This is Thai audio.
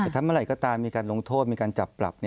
แต่ถ้าเมื่อไหร่ก็ตามมีการลงโทษมีการจับปรับ